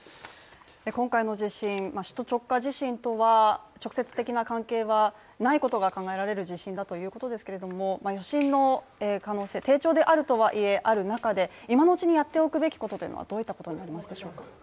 今回の地震、首都直下地震とは直接的な関係はないことが考えられる地震ということですけども余震の可能性、低調であるとはいえ、ある中で今のうちにやっておくべきことはどういったことでしょうか？